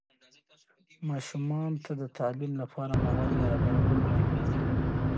ماشومان ته د تعلیم لپاره مواد برابرول مهم دي.